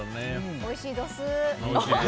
おいしいどす。